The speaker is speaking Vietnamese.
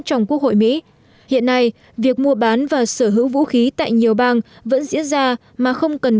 trong quốc hội mỹ hiện nay việc mua bán và sở hữu vũ khí tại nhiều bang vẫn diễn ra mà không cần